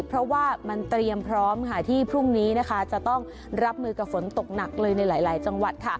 เพราะว่ามันเตรียมพร้อมที่พรุ่งนี้จะต้องรับมือกับฝนตกหนักเลยในหลายจังหวัด